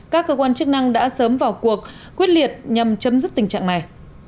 các cơ quan chức năng đã sớm vào cuộc quyết liệt nhằm chấm dứt tình trạng này